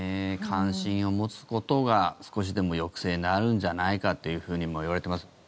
関心を持つことが少しでも抑制になるんじゃないかというふうにもいわれてます。